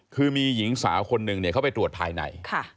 คือมีหญิงสาวคนหนึ่งเขาไปตรวจภายใน